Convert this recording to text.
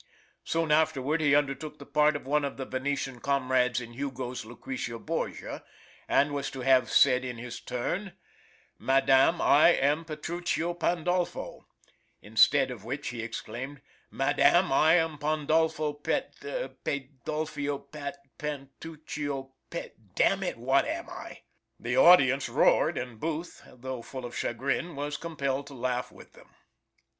Soon afterward he undertook the part of one of the Venetian comrades in Hugo's "Lucretia Borgia," and was to have said in his turn "Madame, I am Petruchio Pandolfo;" instead of which he exclaimed: "Madame, I am Pondolfio Pet , Pedolfio Pat , Pantuchio Ped ; damn it? what am I?" The audience roared, and Booth, though full of chagrin, was compelled to laugh with them.